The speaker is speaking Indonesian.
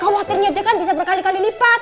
khawatirnya dia kan bisa berkali kali lipat